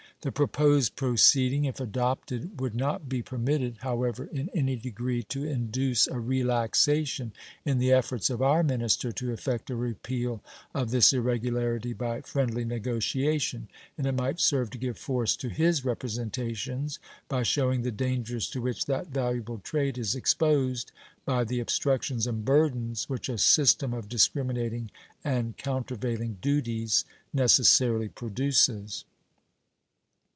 The proposed proceeding if adopted would not be permitted, however, in any degree to induce a relaxation in the efforts of our minister to effect a repeal of this irregularity by friendly negotiation, and it might serve to give force to his representations by showing the dangers to which that valuable trade is exposed by the obstructions and burdens which a system of discriminating and countervailing duties necessarily produces.